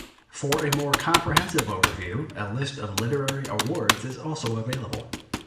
For a more comprehensive overview a list of literary awards is available.